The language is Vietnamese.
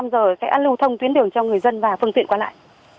một mươi năm h sẽ an lưu thông tuyến đường cho người dân và phương tiện qua lại